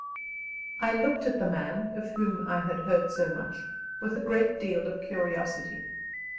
I looked at the man, of whom I had heard so much, with a great deal of curiosity.